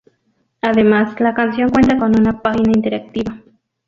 Además la canción cuenta con una página interactiva.